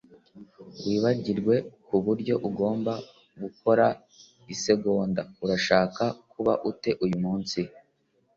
Wibagirwe kubyo ugomba gukora isegonda. Urashaka kuba ute uyu munsi? ”